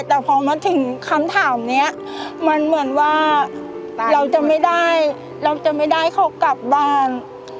แต่พอมาถึงคำถามนี้มันเหมือนว่าเราจะไม่ได้เราจะไม่ได้เขากลับบ้าน